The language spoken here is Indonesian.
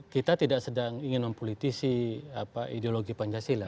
kita tidak sedang ingin mempolitisi ideologi pancasila